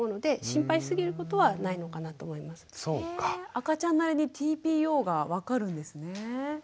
赤ちゃんなりにＴＰＯが分かるんですね。